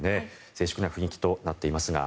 静粛な雰囲気となっていますが。